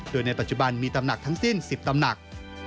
โดยในปัจจุบันมีตำหนักทั้งสิ้น๑๐ตำหนัก